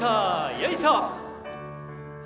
よいしょー！